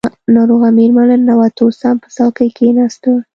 ناروغه مېرمن له ننوتو سم په څوکۍ کښېناسته.